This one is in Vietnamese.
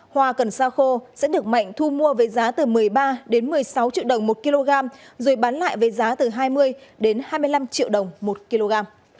hoa cần sa khô sẽ được mạnh thu mua với giá từ một mươi ba đến một mươi sáu triệu đồng một kg rồi bán lại với giá từ hai mươi đến hai mươi năm triệu đồng một kg